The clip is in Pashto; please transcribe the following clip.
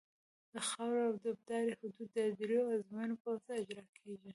د خاورې د ابدارۍ حدود د دریو ازموینو په واسطه اجرا کیږي